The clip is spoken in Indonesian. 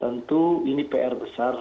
tentu ini pr besar